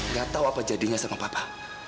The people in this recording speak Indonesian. nggak tahu apa jadinya sama papa